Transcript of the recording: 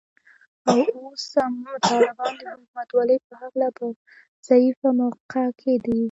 او اوس هم طالبان د حکومتولې په هکله په ضعیفه موقف کې دي